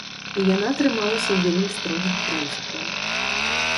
Яна трымалася вельмі строгіх прынцыпаў.